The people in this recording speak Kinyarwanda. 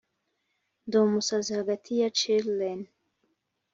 ndumusazi hagati ya chil'ren,'